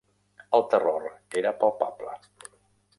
El terror era palpable.